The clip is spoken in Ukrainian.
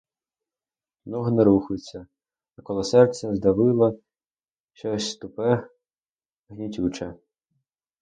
Ноги не рухаються, а коло серця здавило щось тупе, гнітюче.